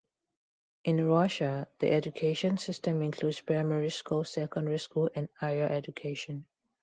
In Russia, the education system includes primary school, secondary school, and higher education.